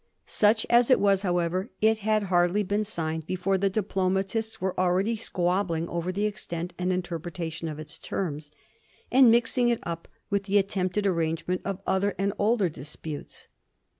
Such as it was, however, it had hardly been signed be fore the diplomatists were already squabbling over the extent and interpretation of its terms, and mixing it up with the attempted arrangement of other and older dis putes.